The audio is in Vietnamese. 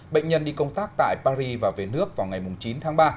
bệnh nhân đi công tác tại paris và về nước vào ngày chín tháng ba